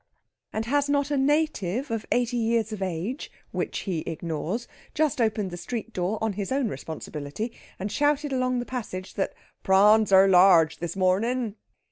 And has not a native of eighty years of age (which he ignores) just opened the street door on his own responsibility and shouted along the passage that pra'ans are large this morning?